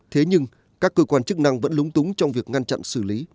thế nhưng các cơ quan chức năng vẫn lúng túng trong việc ngăn chặn xử lý